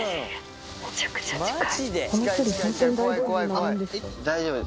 めちゃくちゃ近い。